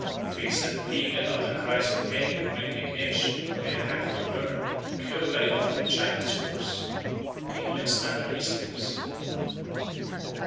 Trees that bleed and utter cries of pain or indignation when they are hacked or burned occur very often in Chinese books, even in Standard Histories.